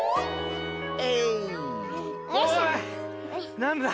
なんだ。